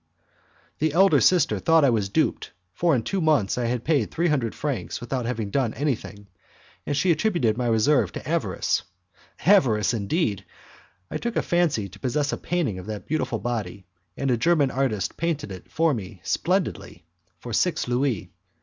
The elder sister thought I was duped, for in two months I had paid three hundred francs without having done anything, and she attributed my reserve to avarice. Avarice, indeed! I took a fancy to possess a painting of that beautiful body, and a German artist painted it for me splendidly for six louis.